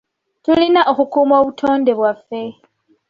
Tulina okukuuma obutonde bwaffe.